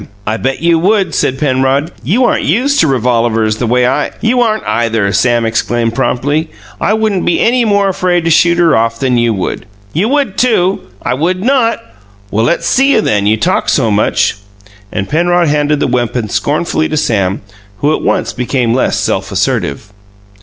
"I bet you would," said Penrod. "You aren't used to revolavers the way I " "You aren't, either!" Sam exclaimed promptly, "I wouldn't be any more afraid to shoot her off than you would." "You would, too!" "I would not!" "Well, let's see you then; you talk so much!" And Penrod handed the weapon scornfully to Sam, who at once became less self assertive.